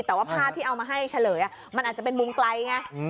แต่ว่าภาพที่เอามาให้เฉลยมันอาจจะเป็นมุมไกลไง